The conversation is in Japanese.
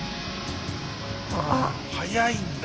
早いんだ。